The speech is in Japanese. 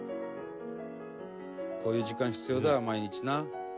「こういう時間必要だよ毎日な」